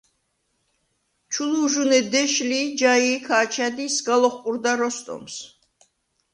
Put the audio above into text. ჩუ ლუვჟუნე დეშ ლი ი ჯაი̄ ქა̄ჩა̈დ ი სგა ლოხყურდა როსტომს.